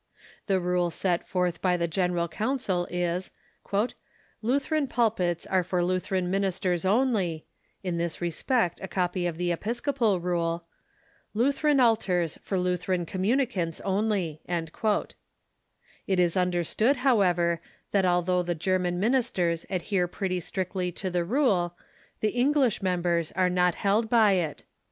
The rule set forth by the General Council is :" Lutheran pul pits are for Lutheran ministers only [in this respect a coi)y of the Episcopal rule] ; Lutheran altars for Lutheran communi cants onl3\" It is understood, however, that although the German ministers adhere pretty strictly to the rule, the Eng lish members are not held by it.